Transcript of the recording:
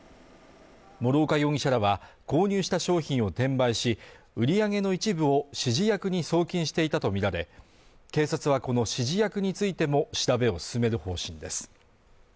諸岡容疑者らは購入した商品を転売し、売り上げの一部を指示役に送金していたとみられ、警察はこの指示役についても調べを進める方針です。